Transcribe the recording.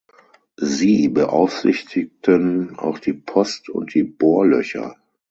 Sie beaufsichtigten auch die Post und die Bohrlöcher.